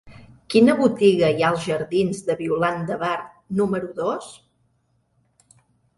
Quina botiga hi ha als jardins de Violant de Bar número dos?